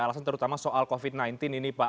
alasan terutama soal covid sembilan belas ini pak